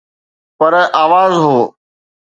پر آواز هو.